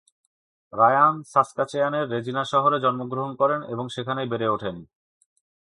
Ryan সাসকাচেয়ানের Regina শহরে জন্মগ্রহণ করেন এবং সেখানেই বেড়ে ওঠেন।